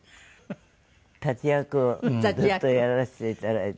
立役をずっとやらせていただいて。